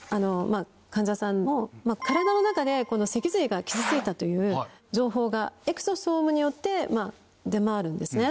体の中で脊髄が傷ついたという情報がエクソソームによって出回るんですね。